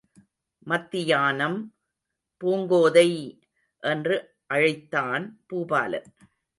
மத்தியானம்– பூங்கோதை! என்று அழைத்தான் பூபாலன்.